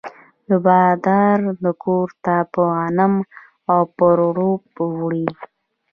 د بادار کور ته به غنم او پروړه وړي.